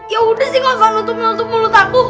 yaudah sih gak akan nutup nutup mulut aku